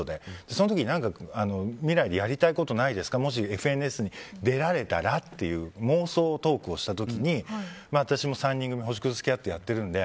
その時に未来でやりたいことないですかもし「ＦＮＳ」に出られたらっていう妄想トークをした時に私も３人組の星屑スキャットをやってるので